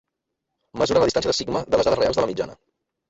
Mesura la distància de sigma de les dades reals de la mitjana.